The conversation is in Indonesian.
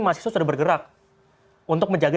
mahasiswa sudah bergerak untuk menjaga